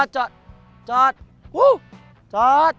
จ้อยจ้อยจ้อย